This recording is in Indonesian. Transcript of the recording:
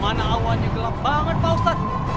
mana awannya gelap banget pak ustadz